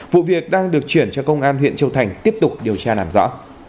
vụ việc đang được chuyển cho công an huyện châu thành tiếp tục điều tra làm rõ